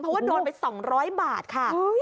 เพราะว่าโดนไป๒๐๐บาทค่ะ